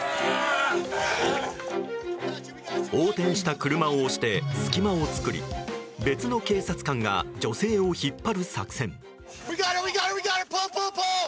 横転した車を押して隙間を作り別の警察官が女性を引っ張る作戦。